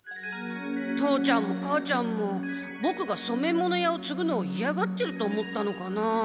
父ちゃんも母ちゃんもボクがそめ物屋をつぐのをいやがってると思ったのかな？